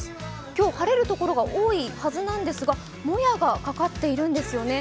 今日、晴れるところが多いはずなんですがもやがかかっているんですね。